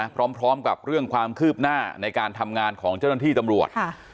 พร้อมกับเรื่องความคืบหน้าในการทำงานของเจ้าหน้าที่ตำรวจ